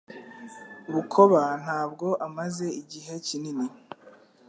Bukoba ntabwo amaze igihe kinini .